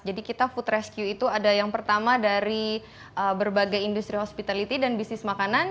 jadi kita food rescue itu ada yang pertama dari berbagai industri hospitality dan bisnis makanan